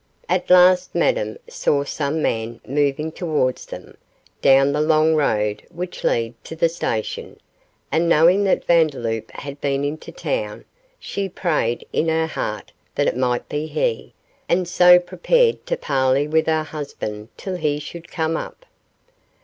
At last Madame saw some man moving towards them, down the long road which led to the station, and knowing that Vandeloup had been into town, she prayed in her heart that it might be he, and so prepared to parley with her husband till he should come up.